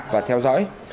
và theo dõi